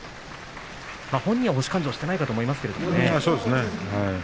本人は星勘定をしていないかと思いますけどね。